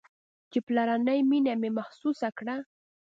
چې پلرنۍ مينه مې محسوسه كړه.